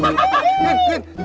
nah kemana kemana kemana